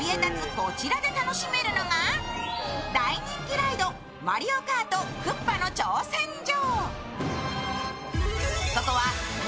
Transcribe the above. こちらで楽しめるのが大人気ライド「マリオカートクッパの挑戦状」。